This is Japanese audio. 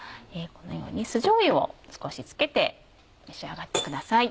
このように酢じょうゆを少しつけて召し上がってください。